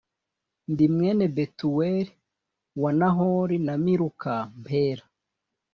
ndi mwene betuweli wa nahori na miluka mpera